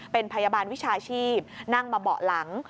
เป็นพยาบาลวิชาชีพนั่งมาเบาะหลัง